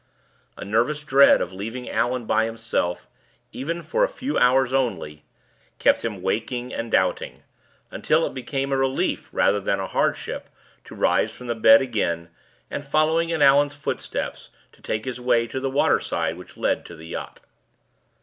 A nervous dread of leaving Allan by himself, even for a few hours only, kept him waking and doubting, until it became a relief rather than a hardship to rise from the bed again, and, following in Allan's footsteps, to take the way to the waterside which led to the yacht.